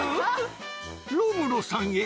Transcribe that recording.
ロムロさんへ。